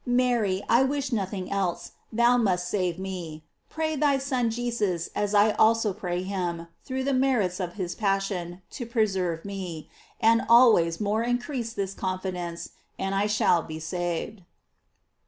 Mary, I wish nothing else ; thou must save me. Pray thy Son Jesus, as I also pray him, through the merits of his passion, to preserve in me, and 770 GLORIES OF MARY. always more increase this confidence, and I shaft be saved.